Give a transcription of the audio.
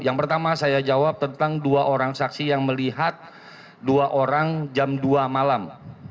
yang pertama saya jawab tentang dua orang saksi yang melihat dua orang jam dua malam